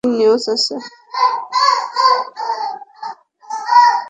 একটা breaking news আছে।